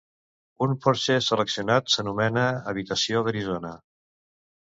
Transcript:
Un porxe seleccionat s'anomena 'habitació d'Arizona'.